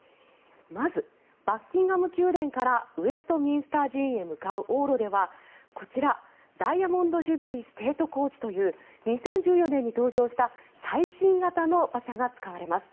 まず、バッキンガム宮殿からウェストミンスター寺院へ向かう往路ではダイヤモンド・ジュビリー・ステート・コーチという２０１４年に登場した最新型の馬車が使われます。